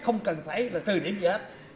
không cần phải là từ điểm gì hết